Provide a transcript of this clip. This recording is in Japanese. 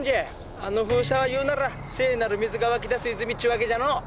あの風車は言うなら聖なる水が湧き出す泉っちゅうわけじゃの。